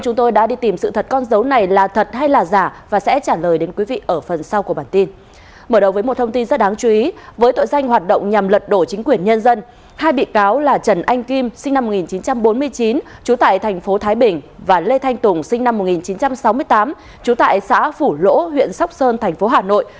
chú tại tp thái bình và lê thanh tùng sinh năm một nghìn chín trăm sáu mươi tám chú tại xã phủ lỗ huyện sóc sơn tp hà nội